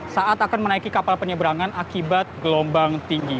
saat akan menaiki kapal penyeberangan akibat gelombang tinggi